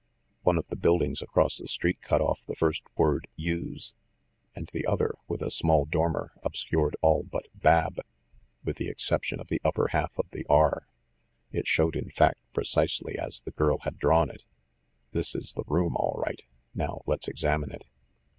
One of the buildings across the street cut off the first word, "use," and the other, with a small dormer, obscured all after "bab" with the exception of the upper half of the R. It showed, in fact, precisely as the girl had drawn it. "This is the room, all right. Now let's examine it."